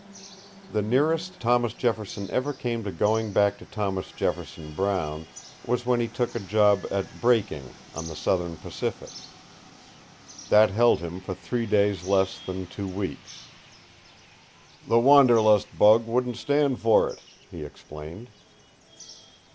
The nearest Thomas Jefferson ever came to going back to Thomas Jefferson Brown was when he took a job at braking on the Southern Pacific. That held him for three, days less than two weeks. "The wanderlust bug wouldn't stand for it," he explained.